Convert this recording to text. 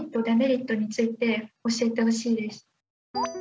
デメリットについて教えてほしいです。